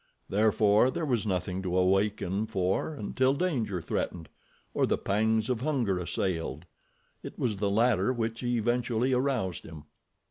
Therefore, there was nothing to awaken for until danger threatened, or the pangs of hunger assailed. It was the latter which eventually aroused him.